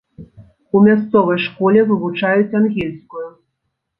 У мясцовай школе вывучаюць ангельскую.